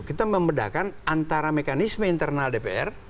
kita membedakan antara mekanisme internal dpr